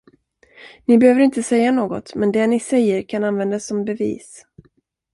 Ni behöver inte säga något, men det ni säger kan användas som bevis.